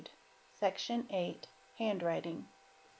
Section viiiiHandwriting.